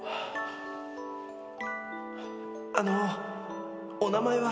あのお名前は。